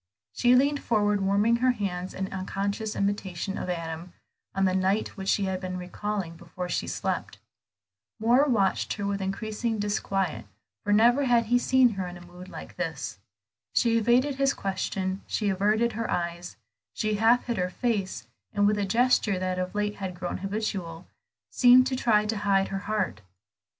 She leaned forward warming her hands in unconscious imitation of Adam, on the night which she had been recalling before she slept. Moor watched her with increasing disquiet; for never had he seen her in a mood like this. She evaded his question, she averted her eyes, she half hid her face, and with a gesture that of late had grown habitual, seemed to try to hide her heart.